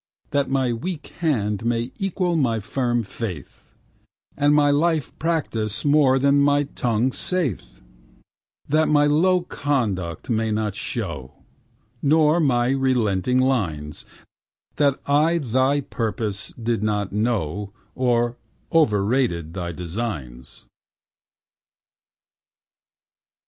That my weak hand may equal my firm faith And my life practice what my tongue saith That my low conduct may not show Nor my relenting lines That I thy purpose did not know Or overrated thy designs.